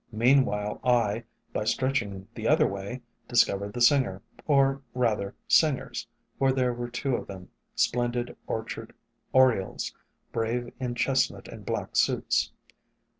Meanwhile I, by stretching the other way, dis covered the singer, or, rather, singers — for there were two of them — splendid orchard orioles, brave in chestnut and black suits.